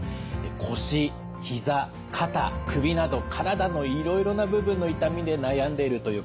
腰ひざ肩首など体のいろいろな部分の痛みで悩んでいるという方多いんですよね。